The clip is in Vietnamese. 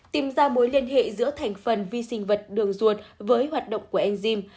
tìm ra mối liên hệ giữa thành phần vi sinh vật đường ruột với hoạt động của enzyme